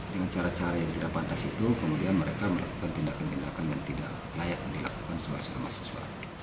dengan cara cara yang tidak pantas itu kemudian mereka melakukan tindakan tindakan yang tidak layak dilakukan seorang siswa mahasiswa